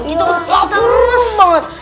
kita tuh lama banget